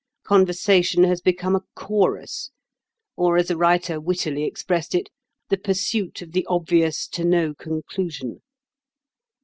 Conversation has become a chorus; or, as a writer wittily expressed it, the pursuit of the obvious to no conclusion.